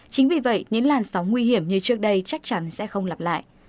chính vì vậy những làn sóng nguy hiểm như trước đây chắc chắn sẽ không lặp lại